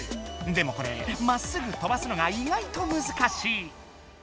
でもこれまっすぐ飛ばすのが意外とむずかしい。